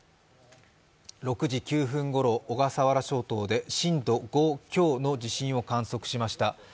６時９分ごろ小笠原諸島で震度５強の地震を観測しました。